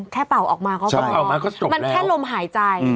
แค่เป่าออกมาก็เป่ามันแค่ลมหายใจ